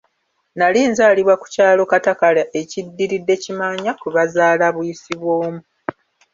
Nali nzaalibwa ku ku kyalo Katakala ekiddiridde Kimaanya kwe bazaala Buyisibwomu.